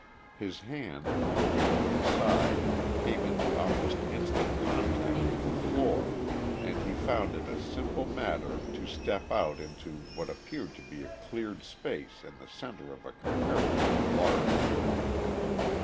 His hand, groping over the side, came into almost instant contact with the floor and he found it a simple matter to step out into what appeared to be a cleared space in the center of a comparatively large room.